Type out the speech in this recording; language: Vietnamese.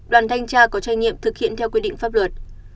đoàn thanh tra có trách nhiệm thực hiện theo quy định pháp luật